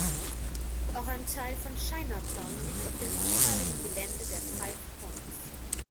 Auch ein Teil von "Chinatown" liegt auf dem ehemaligen Gelände der Five Points.